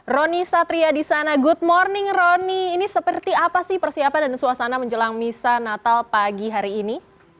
roni satria di sana good morning roni ini seperti apa sih persiapan dan suasana menjelang misa natal pagi hari ini